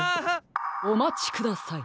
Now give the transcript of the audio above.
おまちください。